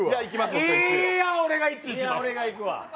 いーや、俺がいくわ。